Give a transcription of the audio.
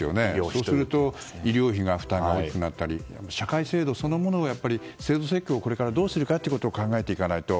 そうなると医療費の負担が大きくなったり社会制度そのものが制度設計をこれからどうするかというのを考えていかないと。